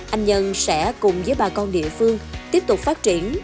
anh nhân sẽ cùng với bà con địa phương tiếp tục phát triển